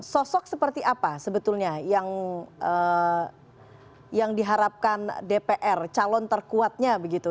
sosok seperti apa sebetulnya yang diharapkan dpr calon terkuatnya begitu